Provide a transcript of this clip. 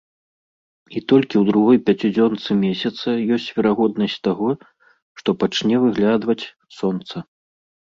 І толькі ў другой пяцідзёнцы месяца ёсць верагоднасць таго, што пачне выглядваць сонца.